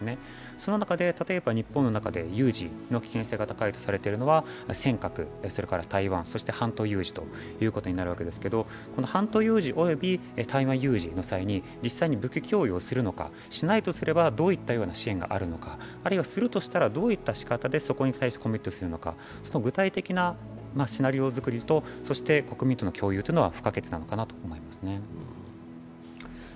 その中で、例えば日本の中で有事の危険性が高いといわれているのは尖閣、台湾、そして半島有事ということになるわけですけれども半島有事および台湾有事の際に実際に武器供与をするのか。しないとすればどういった支援があるのかあるいは、するとしたらどういったしかたでそこにコミットするのかその具体的なシナリオ作りと国民との共有は不可欠なのかなと思いますね。